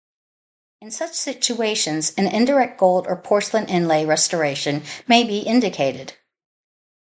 In such situations, an indirect gold or porcelain inlay restoration may be indicated.